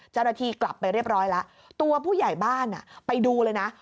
เจ้าหน้าที่กลับไปเรียบร้อยแล้วตัวผู้ใหญ่บ้านไปดูเลยนะ